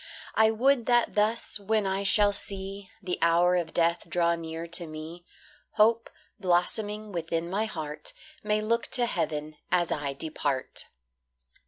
I would that thus, when I shall see The hour of death draw near to me, Hope, blossoming within my heart, May look to heaven as I depart.